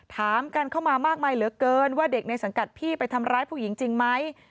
ถามกันเข้ามามากมายเหลือเกินว่าเด็กในสังกัดพี่ไปทำร้ายผู้หญิงจริงไหม